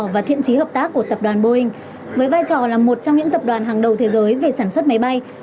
và thiện trí hợp tác của tập đoàn boeing với vai trò là một trong những tập đoàn hàng đầu thế giới về sản xuất máy bay